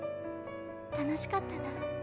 楽しかったな。